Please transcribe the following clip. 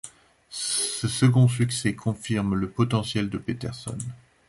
Ce second succès confirme le potentiel de Peterson.